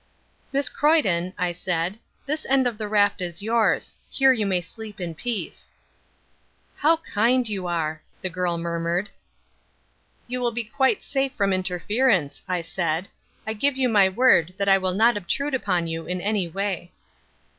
"Miss Croyden," I said, "this end of the raft is yours. Here you may sleep in peace." "How kind you are," the girl murmured. "You will be quite safe from interference," I added. "I give you my word that I will not obtrude upon you in any way."